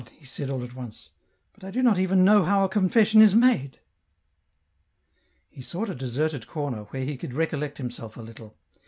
" he said, all at once, " but I do not even know how a confession is made." He sought a deserted corner, where he could recollect himself a little.